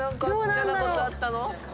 嫌なことあったの？